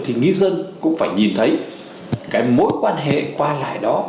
thì nghĩa sơn cũng phải nhìn thấy cái mối quan hệ qua lại đó